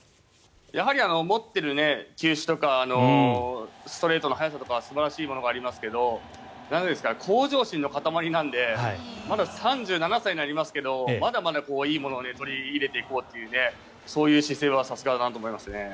やはり持っている球種とかストレートの速さとか素晴らしいものがありますが向上心の塊なので３７歳になりますけどまだまだいいものを取り入れていこうというそういう姿勢はさすがだなと思いますね。